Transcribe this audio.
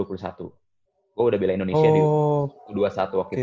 gue udah bela indonesia di u dua puluh satu waktu itu